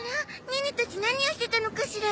ネネたち何をしてたのかしら？